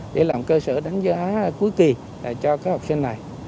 để làm cơ sở đánh giá cuối kỳ cho các học sinh này